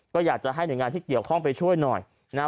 ก็อยากจะให้หน่วยงานที่เกี่ยวข้องไปช่วยหน่อยนะ